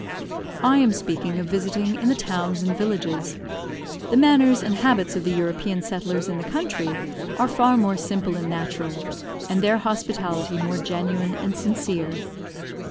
I am speaking of visiting in the towns and villages. The manners and habits of the European settlers in the country are far more simple and natural, and their hospitality more genuine and sincere.